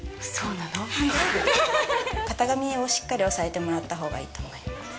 型紙をしっかり押さえてもらったほうがいいと思います。